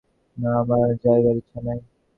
না, আমার যাইবার ইচ্ছা নাই।